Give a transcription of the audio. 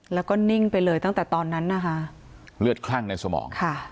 แล้วก็นิ่งไปเลยตั้งแต่ตอนนั้นนะคะเลือดคลั่งในสมองค่ะ